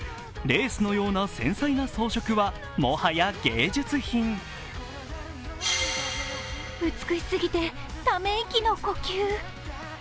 レースのような繊細な装飾はもはや芸術品。など